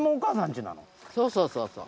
そうそうそうそう。